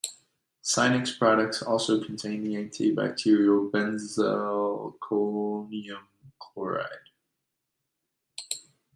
Sinex products also contain the antibacterial Benzalkonium Chloride.